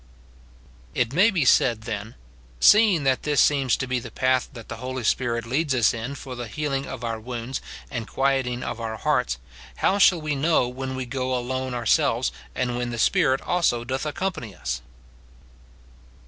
It may be said, then, " Seeing that this seems to be the path that the Holy Spirit leads us in for the healing of our wounds and quieting of our hearts, how shall we know when we go alone ourselves, and when the Spirit also doth accompany us